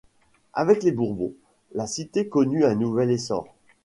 Avec les Bourbons, la cité connut un nouvel essor.